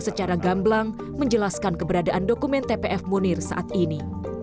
secara gamblang menjelaskan keberadaan dokumen tpf munir saat ini